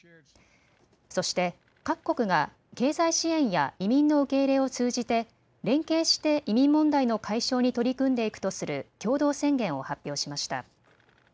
そして各国が経済支援や移民の受け入れを通じて連携して移民問題の解消に取り組んでいくとする共同宣言を発表しました。